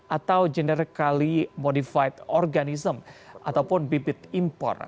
atau generikali modified organism ataupun bibit impor